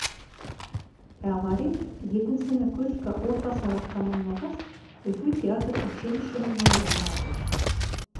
Ә Ғариф, етенсене көскә уртасараҡ тамамлағас, Өфө театр училищеһына урынлашты.